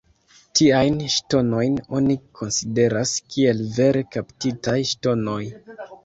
Tiajn ŝtonojn oni konsideras kiel vere kaptitaj ŝtonoj.